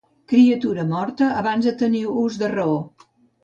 Criatura morta abans de tenir ús de raó.